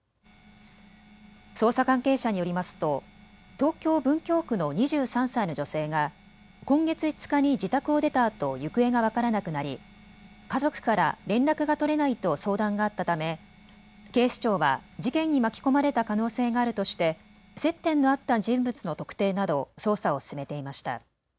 捜査関係者によりますと東京文京区の２３歳の女性が今月５日に自宅を出たあと行方が分からなくなり家族から連絡が取れないと相談があったため警視庁は事件に巻き込まれた可能性があるとして接点のあった人物の特定など捜査を進めていました。